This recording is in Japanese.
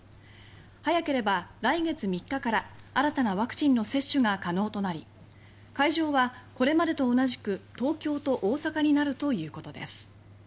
早ければ来月３日から新たなワクチンの接種が可能となり会場はこれまでと同じく東京と大阪になるということです